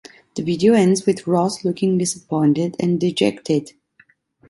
The video ends with Ross looking disappointed and dejected.